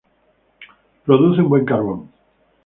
Produce un buen carbón.